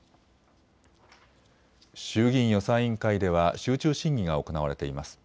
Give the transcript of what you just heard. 衆議院予算委員会では集中審議が行われています。